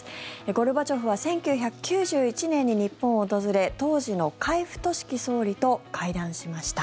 ゴルバチョフは１９９１年に日本を訪れ当時の海部俊樹総理と会談しました。